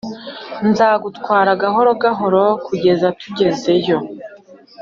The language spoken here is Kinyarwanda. Nzagutwara gahoro gahoro kugeza tugezeyo